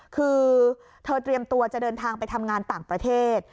คือเธอเตรียมตัวจะเดินทางไปทำงานต่างประเทศ